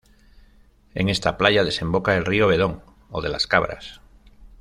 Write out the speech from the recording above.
En esta playa desemboca el río Bedón o de Las Cabras.